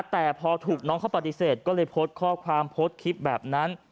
แต่พอถูกน้องเขาปฏิเสธก็เลยโพสต์ข้อความโพสต์คลิปแบบนั้น